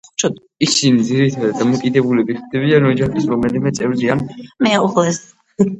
ისინი ძირითადად დამოკიდებული ხდებიან ოჯახის რომელიმე წევრზე ან მეუღლეზე.